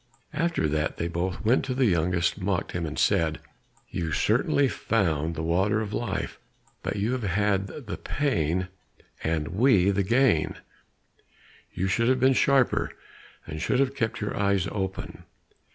After that they both went to the youngest, mocked him, and said, "You certainly found the water of life, but you have had the pain, and we the gain; you should have been sharper, and should have kept your eyes open.